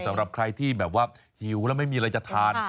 สำหรับใครที่แบบว่าหิวแล้วไม่มีอะไรจะทาน